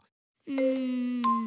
うん。